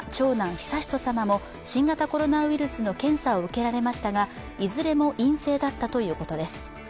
悠仁さまも新型コロナウイルスの検査を受けられましたがいずれも陰性だったということです。